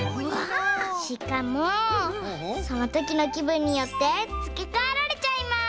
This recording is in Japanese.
しかもそのときのきぶんによってつけかえられちゃいます！